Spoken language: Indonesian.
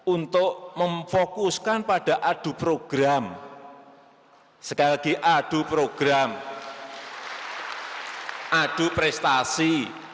untuk memfokuskan pada adu program sekali lagi adu program adu prestasi